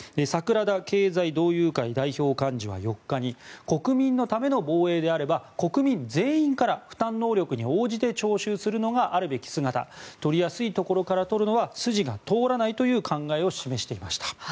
櫻田経済同友会代表幹事は４日に国民のための防衛であれば国民全員から負担能力に応じて徴収するのがあるべき姿取りやすいところから取るのは筋が通らないという考えを示していました。